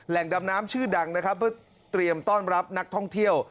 ดำน้ำชื่อดังนะครับเพื่อเตรียมต้อนรับนักท่องเที่ยว